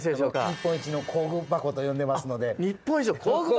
日本一の工具箱と呼んでいますので。